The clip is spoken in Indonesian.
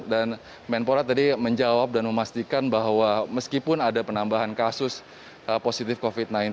dan menpora tadi menjawab dan memastikan bahwa meskipun ada penambahan kasus positif covid sembilan belas